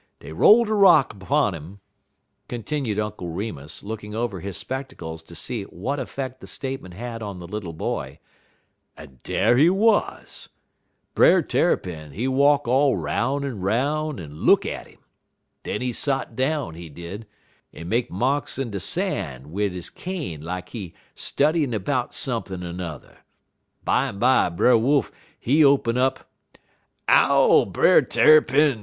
Dey roll de rock 'pun 'im," continued Uncle Remus, looking over his spectacles to see what effect the statement had on the little boy, "en dar he wuz. Brer Tarrypin, he walk all 'roun' en 'roun', en look at 'im. Den he sot down, he did, en make marks in de san' wid he cane lak he studyin' 'bout sump'n' n'er. Bimeby, Brer Wolf, he open up: "'Ow, Brer Tarrypin!